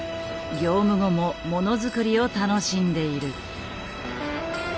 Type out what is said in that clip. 業務後もものづくりを楽しんでいる。